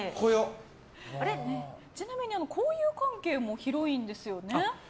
ちなみに交友関係も広いんですよね。